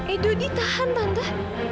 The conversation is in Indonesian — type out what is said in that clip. edo ditahan tante